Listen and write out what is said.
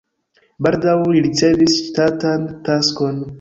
Baldaŭ li ricevis ŝtatan taskon.